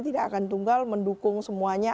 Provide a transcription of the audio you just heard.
tidak akan tunggal mendukung semuanya